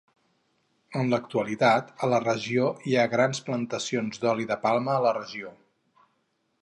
En l'actualitat a la regió hi ha grans plantacions d'oli de palma a la regió.